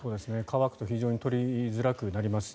乾くと非常に取りづらくなります。